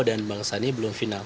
dan bang sani belum final